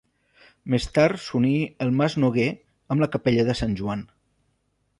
Més tard s'uní el mas Noguer amb la capella de Sant Joan.